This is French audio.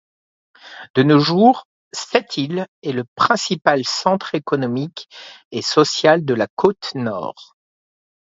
De nos jours, Sept-Îles est le principal centre économique et social de la Côte-Nord.